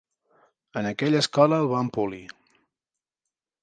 En aquella escola el van polir.